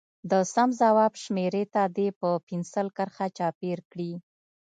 د سم ځواب شمیرې ته دې په پنسل کرښه چاپېر کړي.